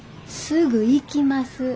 すぐ行きます。